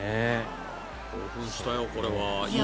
興奮したよ、これは。